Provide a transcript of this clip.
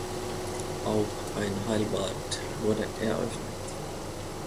Auch ein Heilbad wurde eröffnet.